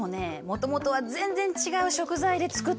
もともとは全然違う食材で作ってたの。